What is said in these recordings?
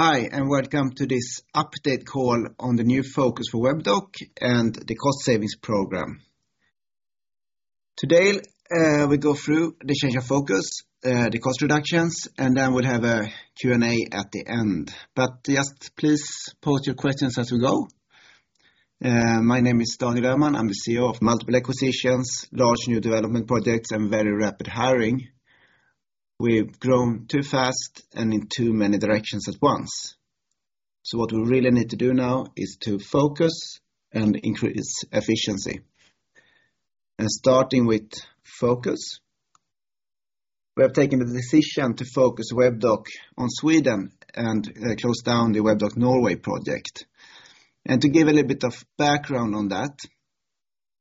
Hi, welcome to this update call on the new focus for Webdoc and the cost savings program. Today, we go through the change of focus, the cost reductions, and then we'll have a Q&A at the end. Just please post your questions as we go. My name is Daniel Öhman. I'm the CEO of Multiple Acquisitions, large new development projects and very rapid hiring. We've grown too fast and in too many directions at once. What we really need to do now is to focus and increase efficiency. Starting with focus, we have taken the decision to focus Webdoc on Sweden and close down the Webdoc Norway project. To give a little bit of background on that,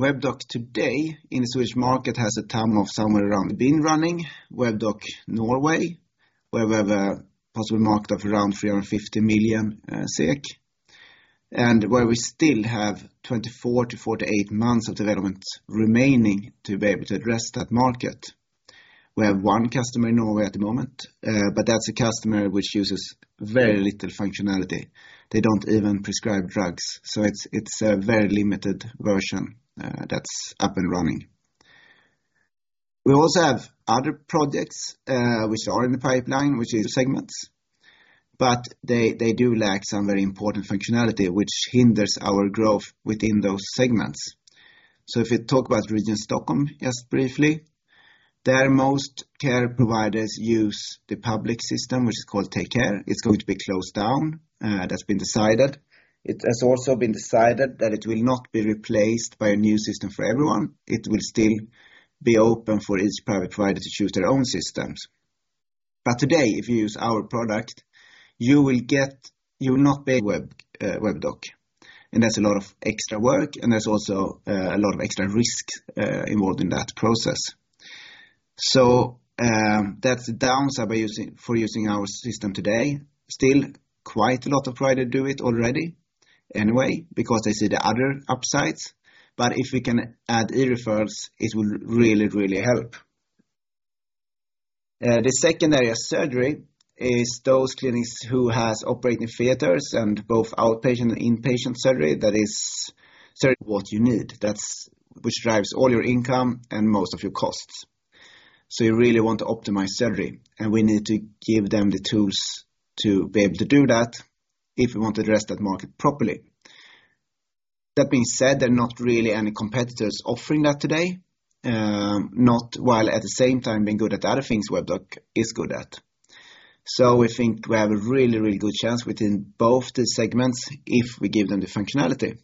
Webdoc today in the Swedish market has a TAM of somewhere around been running Webdoc Norway, where we have a possible market of around 350 million SEK, and where we still have 24-48 months of development remaining to be able to address that market. We have one customer in Norway at the moment, that's a customer which uses very little functionality. They don't even prescribe drugs, it's a very limited version that's up and running. We also have other projects which are in the pipeline, which is segments, they do lack some very important functionality which hinders our growth within those segments. If we talk about Region Stockholm, just briefly, their most care providers use the public system, which is called Take Care. It's going to be closed down. That's been decided. It has also been decided that it will not be replaced by a new system for everyone. It will still be open for each private provider to choose their own systems. Today, if you use our product, you will not pay Webdoc. That's a lot of extra work, and there's also a lot of extra risk involved in that process. That's the downside for using our system today. Still, quite a lot of providers do it already anyway, because they see the other upsides. If we can add e-referrals, it will really help. The second area, surgery, is those clinics who has operating theaters and both outpatient and inpatient surgery. That is surgery, what you need. That's which drives all your income and most of your costs. You really want to optimize surgery, and we need to give them the tools to be able to do that if we want to address that market properly. That being said, there are not really any competitors offering that today, not while at the same time being good at other things Webdoc is good at. We think we have a really, really good chance within both the segments if we give them the functionality.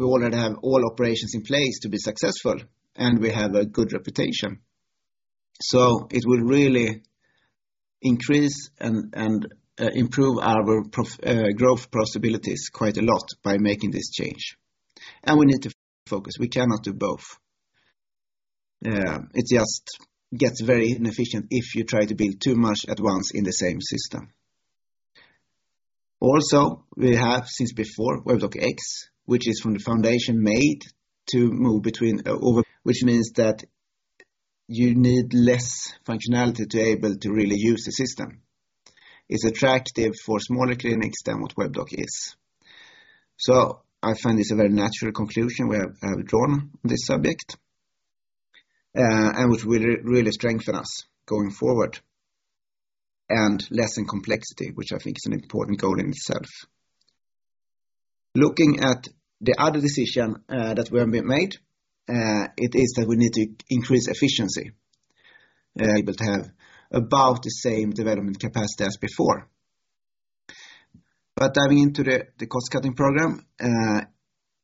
We already have all operations in place to be successful, and we have a good reputation. It will really increase and improve our growth possibilities quite a lot by making this change. We need to focus. We cannot do both. It just gets very inefficient if you try to build too much at once in the same system. We have since before, Webdoc X, which is from the foundation made to move between over, which means that you need less functionality to be able to really use the system. It's attractive for smaller clinics than what Webdoc is. I find this a very natural conclusion we have drawn on this subject, and which will really strengthen us going forward and lessen complexity, which I think is an important goal in itself. Looking at the other decision that we have made, it is that we need to increase efficiency. Able to have about the same development capacity as before. Diving into the cost-cutting program,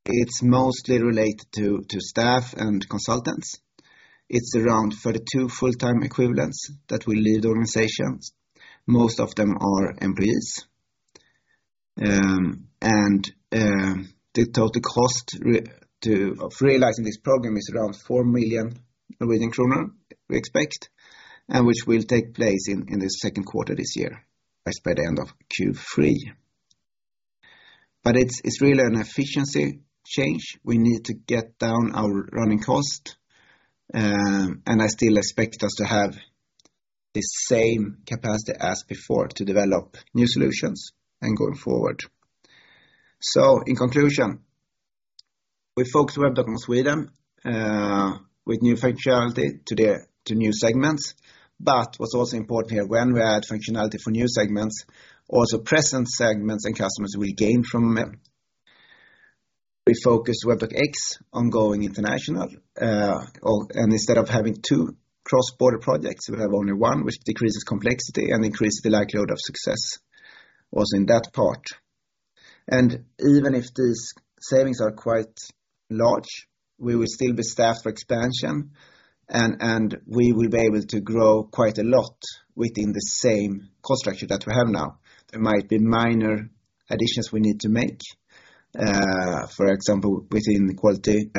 it's mostly related to staff and consultants. It's around 42 full-time equivalents that will leave the organizations. Most of them are employees. The total cost of realizing this program is around SEK 4 million, we expect, and which will take place in the second quarter this year, by the end of Q3. It's really an efficiency change. We need to get down our running cost, and I still expect us to have the same capacity as before to develop new solutions and going forward. In conclusion, we focus Webdoc on Sweden, with new functionality to new segments. What's also important here, when we add functionality for new segments, also present segments and customers will gain from it. We focus Webdoc X on going international. and instead of having two cross-border projects, we have only one, which decreases complexity and increases the likelihood of success, also in that part. Even if these savings are quite large, we will still be staffed for expansion and we will be able to grow quite a lot within the same cost structure that we have now. There might be minor additions we need to make, for example, within quality,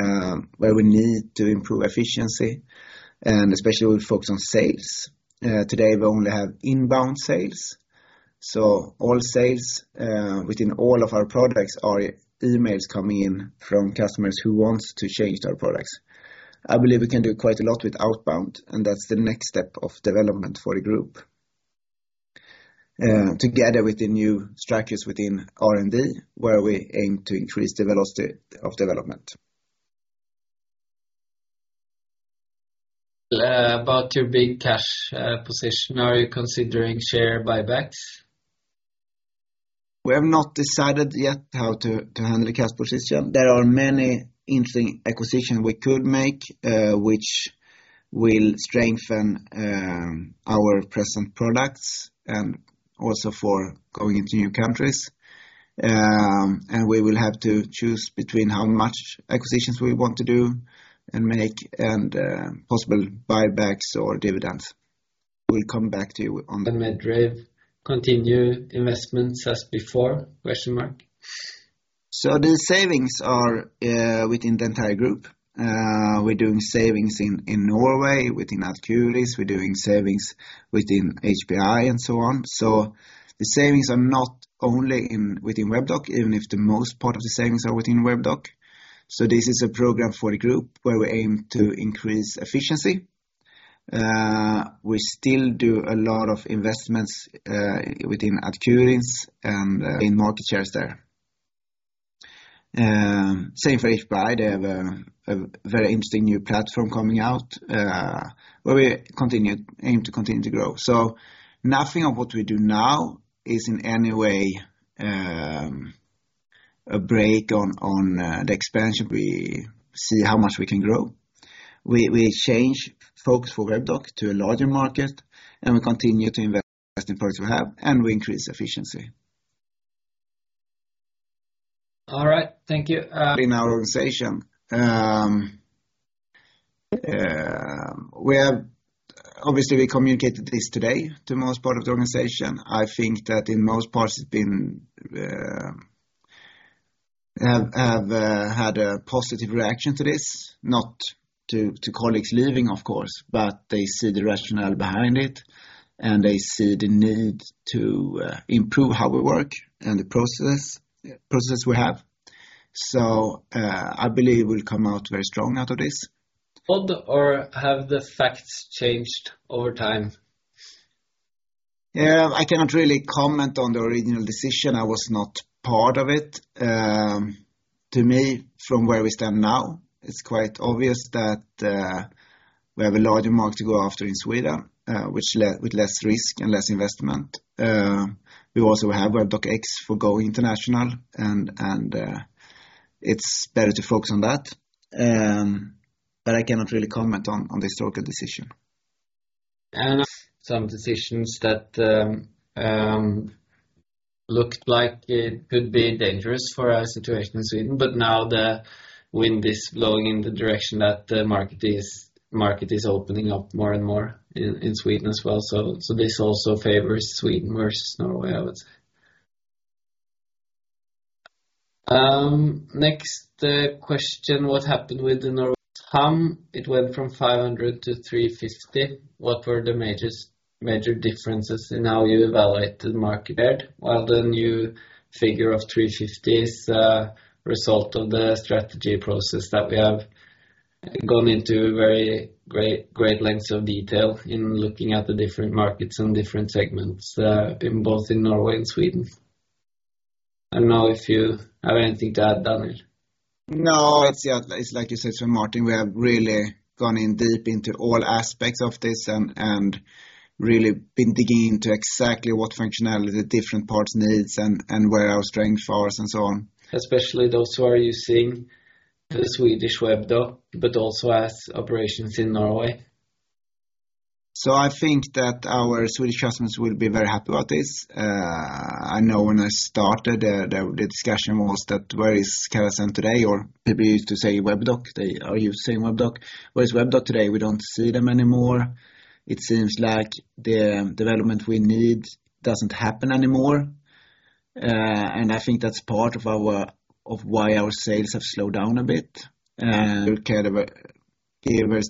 where we need to improve efficiency. Especially we focus on sales. Today, we only have inbound sales. All sales within all of our products are emails coming in from customers who wants to change their products. I believe we can do quite a lot with outbound, and that's the next step of development for the group. together with the new structures within R&D, where we aim to increase the velocity of development. About your big cash position, are you considering share buybacks? We have not decided yet how to handle the cash position. There are many interesting acquisition we could make, which will strengthen our present products and also for going into new countries. We will have to choose between how much acquisitions we want to do and make, and possible buybacks or dividends. We'll come back to you on that. Medrave continue investments as before? Question mark. The savings are within the entire group. We're doing savings in Norway within Ad Curis. We're doing savings within HPI and so on. The savings are not only within Webdoc, even if the most part of the savings are within Webdoc. This is a program for the group where we aim to increase efficiency. We still do a lot of investments within Ad Curis and gain market shares there. Same for HPI. They have a very interesting new platform coming out, where we aim to continue to grow. Nothing of what we do now is in any way a break on the expansion. We see how much we can grow. We change focus for Webdoc to a larger market, and we continue to invest in products we have, and we increase efficiency. All right. Thank you. In our organization. Obviously, we communicated this today to most part of the organization. I think that in most parts, Had a positive reaction to this, not to colleagues leaving, of course, but they see the rationale behind it, and they see the need to improve how we work and the process we have. I believe we'll come out very strong out of this. Have the facts changed over time? Yeah. I cannot really comment on the original decision. I was not part of it. To me, from where we stand now, it's quite obvious that we have a larger market to go after in Sweden, which with less risk and less investment. We also have Webdoc X for going international and it's better to focus on that. I cannot really comment on the historical decision. Some decisions that looked like it could be dangerous for our situation in Sweden, but now the wind is blowing in the direction that the market is opening up more and more in Sweden as well. This also favors Sweden versus Norway, I would say. Next question, what happened with the Norway sum? It went from 500-350. What were the major differences in how you evaluated the market there? The new figure of 350 is a result of the strategy process that we have gone into very great lengths of detail in looking at the different markets and different segments, in both Norway and Sweden. I don't know if you have anything to add, Daniel. No, it's yeah. It's like you said, Martin, we have really gone in deep into all aspects of this and really been digging into exactly what functionality the different parts needs and where our strength for us and so on. Especially those who are using the Swedish Webdoc, but also has operations in Norway. I think that our Swedish customers will be very happy about this. I know when I started the discussion was that where is Webdoc today? People used to say, Webdoc, they are using Webdoc. Where is Webdoc today? We don't see them anymore. It seems like the development we need doesn't happen anymore. I think that's part of why our sales have slowed down a bit. Whereas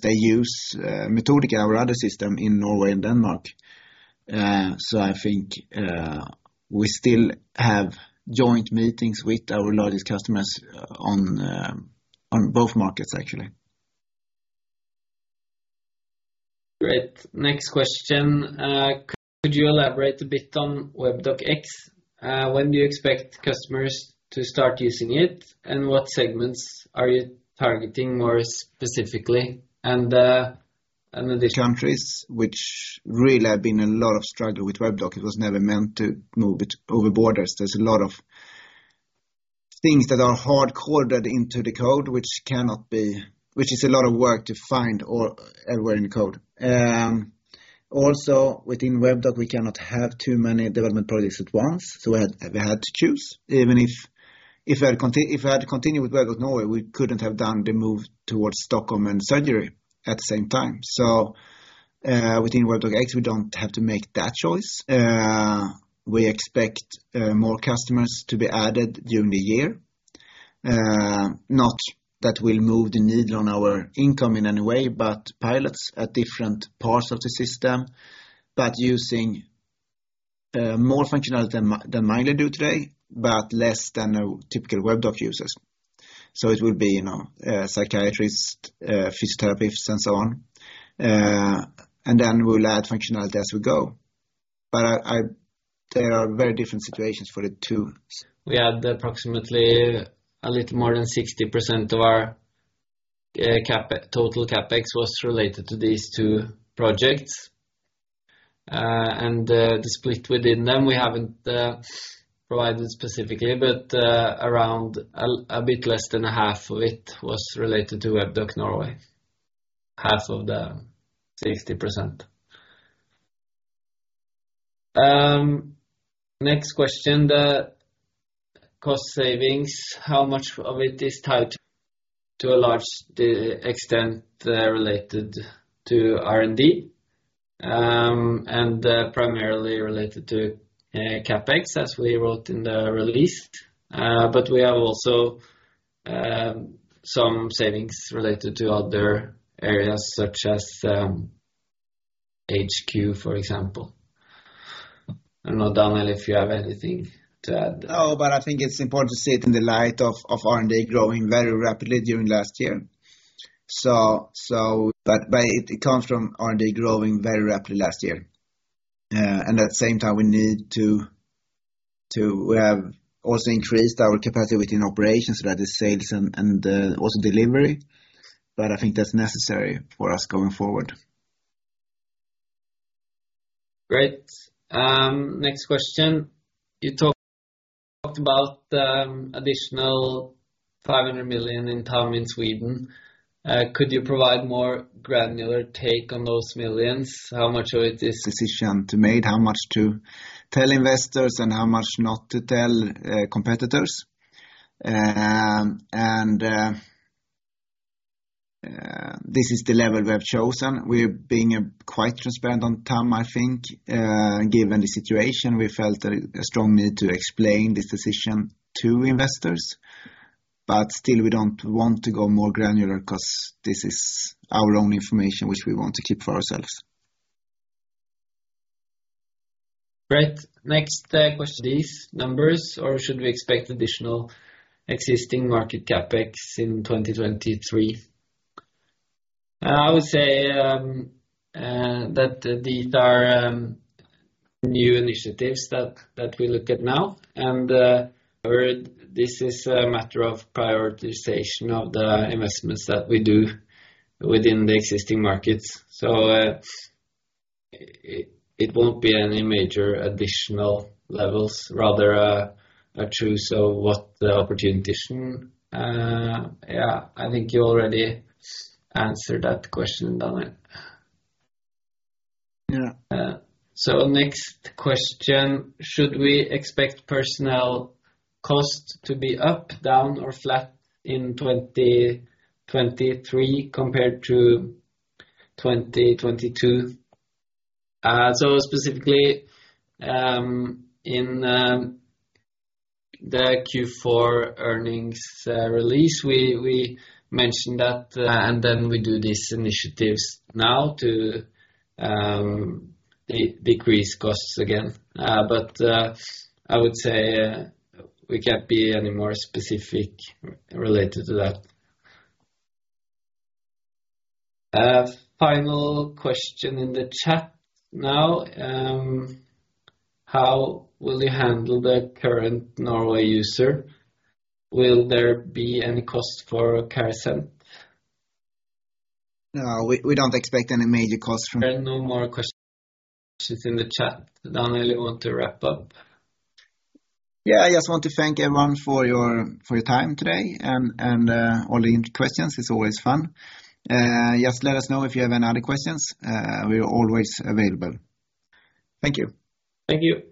they use Metodika, our other system in Norway and Denmark. I think we still have joint meetings with our largest customers on both markets, actually. Great. Next question. Could you elaborate a bit on Webdoc X? When do you expect customers to start using it? What segments are you targeting more specifically? In addition. Countries which really have been a lot of struggle with Webdoc. It was never meant to move it over borders. There's a lot of things that are hard coded into the code, which is a lot of work to find everywhere in the code. Also within Webdoc, we cannot have too many development projects at once, we had to choose. Even if I had to continue with Webdoc Norway, we couldn't have done the move towards Stockholm and surgery at the same time. Within Webdoc X, we don't have to make that choice. We expect more customers to be added during the year, not that will move the needle on our income in any way, but pilots at different parts of the system, but using more functionality than Webdoc do today, but less than a typical Webdoc users. It will be, you know, psychiatrists, physiotherapists and so on. Then we'll add functionality as we go. There are very different situations for the two. We add approximately a little more than 60% of our total CapEx was related to these two projects. The split within them, we haven't provided specifically, but around a bit less than a half of it was related to Webdoc Norway. Half of the 60%. Next question, the cost savings, how much of it is tied to a large extent related to R&D, primarily related to CapEx, as we wrote in the release. We have also some savings related to other areas such as HQ, for example. I don't know, Daniel, if you have anything to add. But I think it's important to see it in the light of R&D growing very rapidly during last year. But it comes from R&D growing very rapidly last year. At the same time, we have also increased our capacity within operations, that is sales and also delivery. I think that's necessary for us going forward. Great. Next question. You talked about additional 500 million in TAM in Sweden. Could you provide more granular take on those millions? Decision to make, how much to tell investors and how much not to tell competitors. This is the level we have chosen. We're being quite transparent on TAM, I think, given the situation, we felt a strong need to explain this decision to investors. Still, we don't want to go more granular because this is our own information, which we want to keep for ourselves. Great. Next, question. These numbers, or should we expect additional existing market CapEx in 2023? I would say that these are new initiatives that we look at now. This is a matter of prioritization of the investments that we do within the existing markets. It won't be any major additional levels, rather a choice of what the opportunity... Yeah, I think you already answered that question, Daniel. Yeah. Next question. Should we expect personnel costs to be up, down, or flat in 2023 compared to 2022? specifically, in, the Q4 earnings, release, we mentioned that. Then we do these initiatives now to decrease costs again. I would say, we can't be any more specific related to that. A final question in the chat now. how will you handle the current Norway user? Will there be any costs for Carasent? No, we don't expect any major costs. There are no more questions in the chat. Daniel, you want to wrap up? Yeah. I just want to thank everyone for your time today and all the questions. It's always fun. Just let us know if you have any other questions. We are always available. Thank you. Thank you.